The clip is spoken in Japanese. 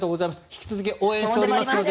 引き続き応援しておりますので。